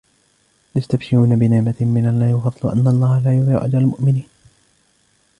يَسْتَبْشِرُونَ بِنِعْمَةٍ مِنَ اللَّهِ وَفَضْلٍ وَأَنَّ اللَّهَ لَا يُضِيعُ أَجْرَ الْمُؤْمِنِينَ